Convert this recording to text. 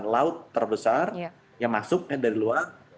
dan laut terbesar yang masuk dari luar